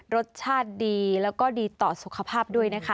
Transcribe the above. รสชาติดีและดีต่อสุขภาพด้วย